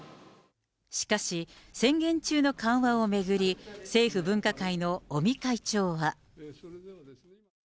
しかし、宣言中の緩和を巡り、政府分科会の尾身会長は。